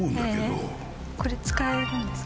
これ使えるんですか？